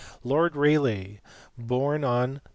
Lord Rayleigh, born on Nov.